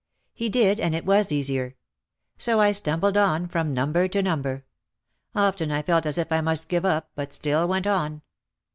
He did and it was easier. So I stumbled on from number to number. Often I felt as if I must give up but still went on.